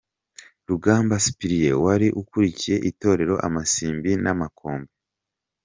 Rugamba Cyprien wari ukuriye Itorero amasimbi namakombe na.